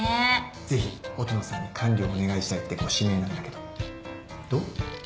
ぜひ音野さんに管理をお願いしたいってご指名なんだけどどう？